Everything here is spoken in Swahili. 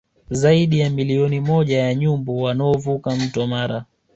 Zaidi ya milioni moja ya nyumbu wanaovuka mto Mara